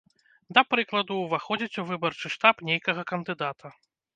Да прыкладу, уваходзіць у выбарчы штаб нейкага кандыдата.